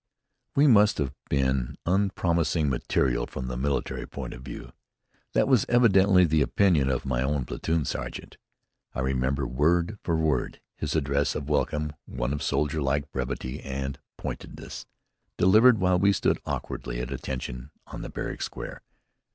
We must have been unpromising material from the military point of view. That was evidently the opinion of my own platoon sergeant. I remember, word for word, his address of welcome, one of soldier like brevity and pointedness, delivered while we stood awkwardly at attention on the barrack square.